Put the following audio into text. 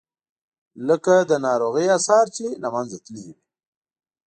لکه د ناروغۍ آثار چې له منځه تللي وي.